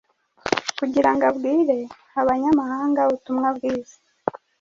kugira ngo abwire abanyamahanga ubutumwa bwiza.